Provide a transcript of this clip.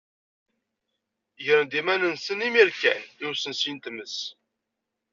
Gren-d iman-nsen imir kan i usensi n tmes.